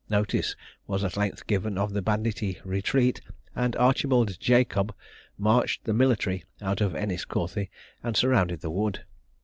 Notice was at length given of the banditti retreat, and Archibald Jacob marched the military out of Enniscorthy and surrounded the wood.